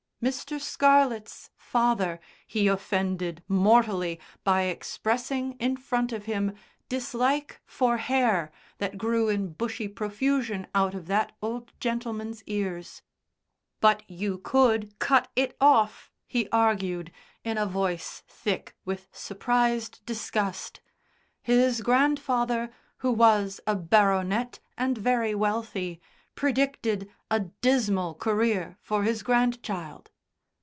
Mr. Scarlett's father he offended mortally by expressing, in front of him, dislike for hair that grew in bushy profusion out of that old gentleman's ears. "But you could cut it off," he argued, in a voice thick with surprised disgust. His grandfather, who was a baronet, and very wealthy, predicted a dismal career for his grandchild.